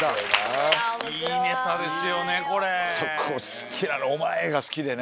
好きなの「お前」が好きでね。